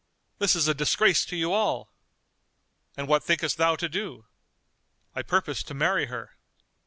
"This is a disgrace to you all!" "And what thinkest thou to do?" "I purpose to marry her."